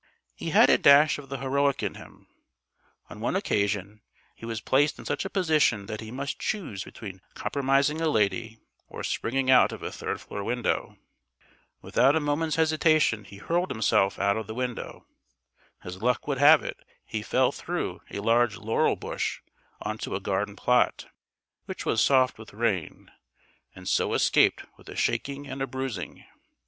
He had a dash of the heroic in him. On one occasion he was placed in such a position that he must choose between compromising a lady, or springing out of a third floor window. Without a moment's hesitation he hurled himself out of the window. As luck would have it, he fell through a large laurel bush on to a garden plot, which was soft with rain, and so escaped with a shaking and a bruising.